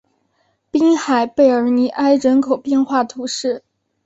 滨海贝尔尼埃人口变化图示